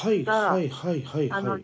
はいはいはいはい。